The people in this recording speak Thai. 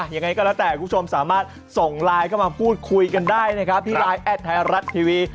ยังไงก็แล้วแต่คุณผู้ชมสามารถส่งไลน์เข้ามาพูดคุยกันได้นะครับที่ไลน์แอดไทยรัฐทีวี